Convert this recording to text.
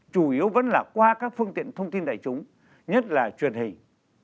chủ yếu vẫn là qua các phương tiện thông tin đại chúng nhất là truyền hình